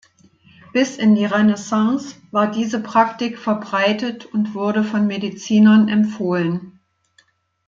Bis in die Renaissance war diese Praktik verbreitet und wurde von Medizinern empfohlen.